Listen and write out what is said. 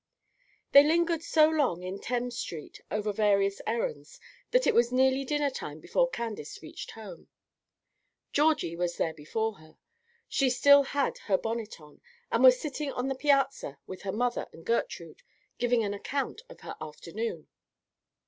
They lingered so long in Thames Street, over various errands, that it was nearly dinner time before Candace reached home. Georgie was there before her; she still had her bonnet on, and was sitting on the piazza with her mother and Gertrude, giving an account of her afternoon.